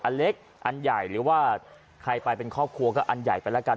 อันเล็กอันใหญ่หรือว่าใครไปเป็นครอบครัวก็อันใหญ่ไปแล้วกัน